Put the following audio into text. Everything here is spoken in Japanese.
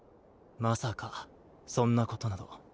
まさかそんなことなど。